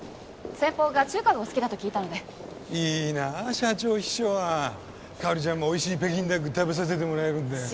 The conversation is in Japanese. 先方が中華がお好きだと聞いたのでいいなあ社長秘書はかほりちゃんもおいしい北京ダック食べさせてもらえるんだよ